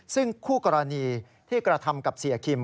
ซึ่งคู่กรณีที่กระทำกับเสียคิม